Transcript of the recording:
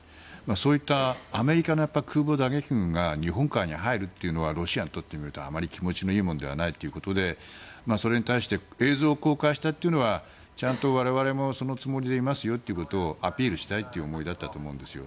そういったアメリカ空母打撃群が日本海に入るというのはロシアにとってみるとあまり気持ちのいいものではないということでそれに対して映像を公開したというのはちゃんと我々もそのつもりでいますよということをアピールしたいという思いだったと思うんですよ。